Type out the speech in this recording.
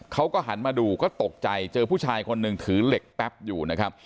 เขาก็หันมาดูก็ตกใจเจอผู้ชายคนหนึ่งถือเหล็กแป๊บอยู่นะครับ